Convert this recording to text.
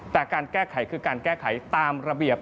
แต่การแก้ไขคือการแก้ไขตามระเบียบ